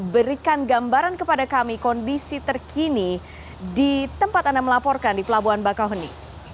berikan gambaran kepada kami kondisi terkini di tempat anda melaporkan di pelabuhan bakauheni